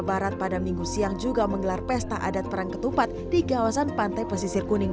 barat pada minggu siang juga menggelar pesta adat perang ketupat di kawasan pantai pesisir kuning